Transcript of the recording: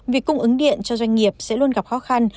việc cung ứng điện cho doanh nghiệp sẽ luôn gặp khó khăn